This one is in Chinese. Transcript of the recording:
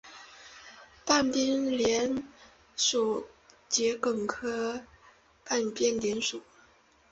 半边莲属桔梗科半边莲属。